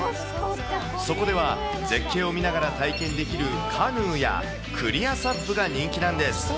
そこでは、絶景を見ながら体験できるカヌーや、クリアサップが人気なんです。